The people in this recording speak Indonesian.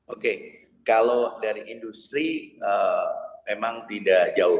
oke kalau dari industri memang tidak jauh